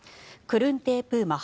クルンテープ・